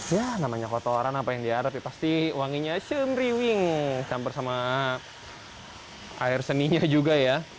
ya namanya kotoran apa yang diarep pasti wanginya semriwing campur sama air seninya juga ya